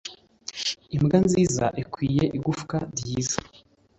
imbwa nziza ikwiye igufwa ryiza.